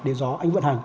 để gió anh vận hành